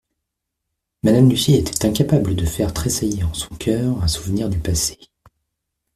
Madame Lucy était incapable de faire tressaillir en son cœur un souvenir du passé.